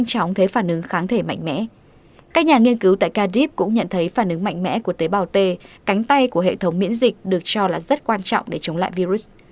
các nhà nghiên cứu tại carib cũng nhận thấy phản ứng mạnh mẽ của tế bào t cánh tay của hệ thống miễn dịch được cho là rất quan trọng để chống lại virus